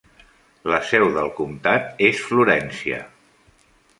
La seu del comtat és Florència.